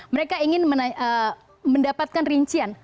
mereka ingin mendapatkan rincian